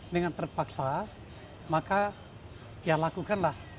dengan terpaksa maka ya lakukanlah